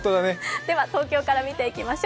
では東京から見ていきましょう。